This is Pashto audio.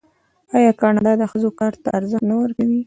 آیا کاناډا د ښځو کار ته ارزښت نه ورکوي؟